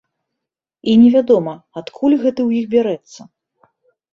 І невядома, адкуль гэты ў іх бярэцца.